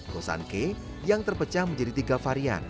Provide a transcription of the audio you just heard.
kosaan kek yang terpecah menjadi tiga varian